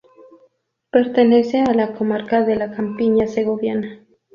Pertenece a la comarca de la Campiña Segoviana.